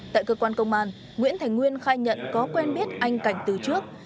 tại cơ quan công an nguyễn thành nguyên khai nhận có quen biết anh cảnh từ trước